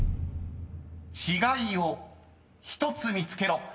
［違いを１つ見つけろ］